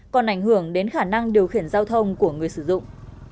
còn ảnh hưởng đến khả năng điều khiển giao thông của người sử dụng